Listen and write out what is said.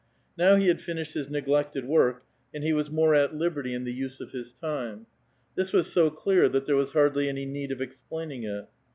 Now he had finished his neglected work, and he was more at liberty in the use of A VITAL QUESTION. 266 his time. This was so clear that there was liardly any need of explaining it.